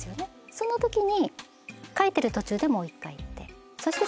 そのときに書いてる途中でもう一回行ってそして